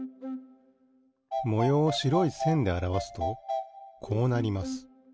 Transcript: もようをしろいせんであらわすとこうなります。